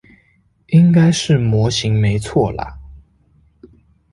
應該是模型沒錯啦